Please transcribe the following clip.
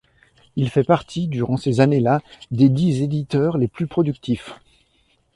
Il fait partie durant ces années-là des dix éditeurs les plus productifs.